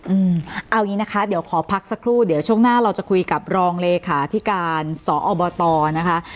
เอาอย่างนี้นะคะเดี๋ยวขอพักสักครู่เดี๋ยวช่วงหน้าเราจะคุยกับรองเลขาธิการสอบตนะคะ